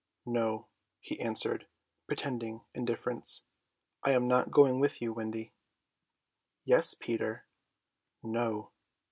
"No," he answered, pretending indifference, "I am not going with you, Wendy." "Yes, Peter." "No."